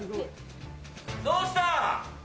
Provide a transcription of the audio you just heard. どうした？